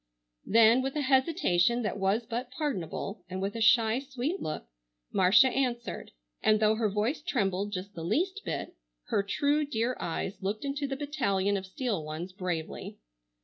Then with a hesitation that was but pardonable, and with a shy sweet look, Marcia answered; and though her voice trembled just the least bit, her true, dear eyes looked into the battalion of steel ones bravely.